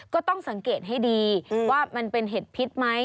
ก็ต้องสังเกตให้ดีว่ามันเป็นเห็ดพิษไหม